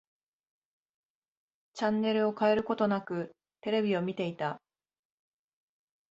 チャンネルを変えることなく、テレビを見ていた。